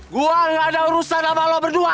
gua ga ada urusan sama lo berdua